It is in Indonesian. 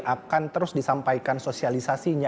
akan terus disampaikan sosialisasinya